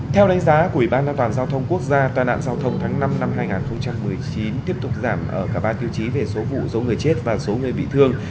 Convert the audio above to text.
theo đánh giá của ủy ban an toàn giao thông quốc gia tai nạn giao thông tháng năm năm hai nghìn một mươi chín tiếp tục giảm ở cả ba tiêu chí về số vụ số người chết và số người bị thương